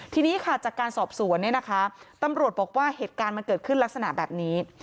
ทีนี้ค่ะจากการสอบสวนเนี่ยนะคะตำรวจบอกว่าเหตุการณ์มันเกิดขึ้นลักษณะแบบนี้